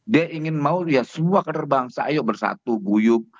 dia ingin mau ya semua kinerbangsa ayo bersatu buyuk